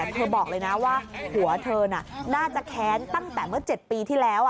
เธอบอกเลยนะว่าผัวเธอน่าจะแค้นตั้งแต่เมื่อ๗ปีที่แล้ว